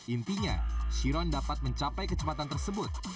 intinya chiron dapat mencapai kecepatan tersebut